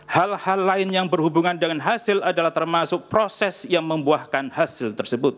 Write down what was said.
hal hal lain yang berhubungan dengan hasil adalah termasuk proses yang membuahkan hasil tersebut